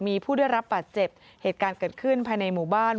มีผู้ได้รับบาดเจ็บเหตุการณ์เกิดขึ้นภายในหมู่บ้าน